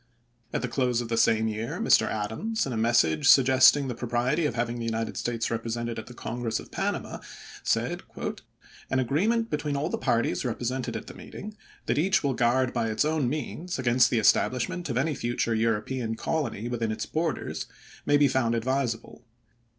At the close of the same year Mr. Adams, in a message suggesting the propriety of having the United States represented at the Congress of Panama, said: "An agreement between all the parties represented at the meeting, that each will guard by its own means against the establishment of any future European colony within its borders, may be found advisable.